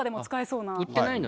売ってないの？